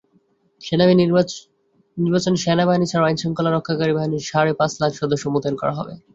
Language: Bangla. নির্বাচনে সেনাবাহিনী ছাড়াও আইনশৃঙ্খলা রক্ষাকারী বাহিনীর সাড়ে পাঁচ লাখ সদস্য মোতায়েন করা হবে।